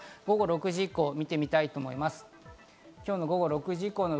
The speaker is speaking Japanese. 午後６時以降を見てみたいと思います。